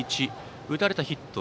打たれたヒット